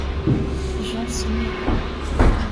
Jean se mit à rire.